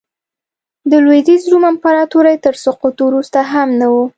د لوېدیځ روم امپراتورۍ تر سقوط وروسته هم نه و